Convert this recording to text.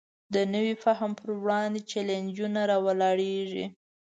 د نوي فهم پر وړاندې چلینجونه راولاړېږي.